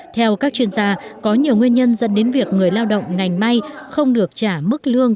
theo các chuyên gia có nhiều nguyên nhân dẫn đến việc người lao động ngành may không được trả mức lương